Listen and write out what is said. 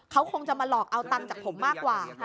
เขาคงจะมาหลอกเอาตังค์จากผมมากกว่า